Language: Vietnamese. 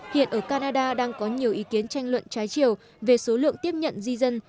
hiện ở canada đang có nhiều ý kiến tranh luận trái chiều về số lượng tiếp nhận di dân